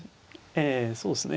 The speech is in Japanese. ええそうですね。